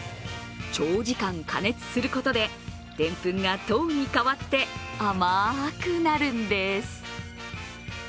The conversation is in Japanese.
長時間加熱することででんぷんが糖に変わって甘くなるんです。